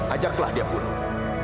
ajaklah dia pulang